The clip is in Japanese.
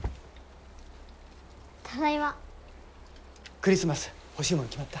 クリスマス欲しいもの決まった？